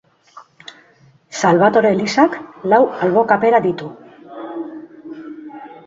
Salbatore elizak lau albo-kapera ditu.